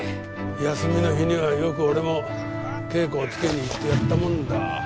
休みの日にはよく俺も稽古をつけに行ってやったもんだ。